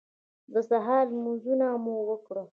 د سهار لمونځونه مو وکړل.